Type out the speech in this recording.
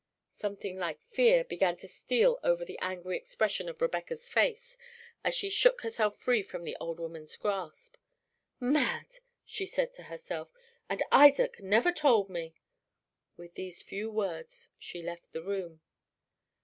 Something like fear began to steal over the angry expression of Rebecca's face as she shook herself free from the old woman's grasp. "Mad!" she said to herself; "and Isaac never told me." With these few words she left the room.